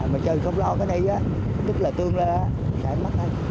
mà trời không lo cái này tức là tương lai sẽ mất